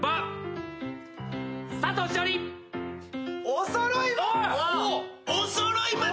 おそろい松。